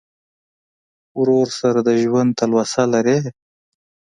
ورور سره د ژوند تلوسه لرې.